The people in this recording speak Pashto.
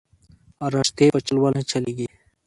رشتې په چل ول نه چلېږي